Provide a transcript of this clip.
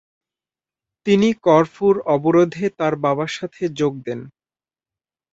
তিনি করফুর অবরোধে তাঁর বাবার সাথে যোগ দেন।